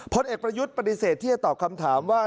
พลเอกประยุทธ์ปฏิเสธที่จะตอบคำถามว่า